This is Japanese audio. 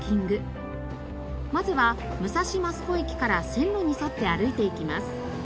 まずは武蔵増戸駅から線路に沿って歩いていきます。